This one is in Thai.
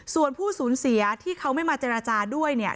ส่วนผู้สูญเสียที่เขาไม่มาเจรจาด้วยเนี่ย